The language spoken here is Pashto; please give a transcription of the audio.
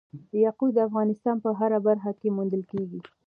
یاقوت د افغانستان په هره برخه کې موندل کېږي.